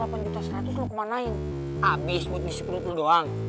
habis buat diseput lo doang